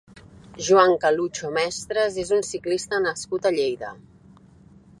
Joan Calucho Mestres és un ciclista nascut a Lleida.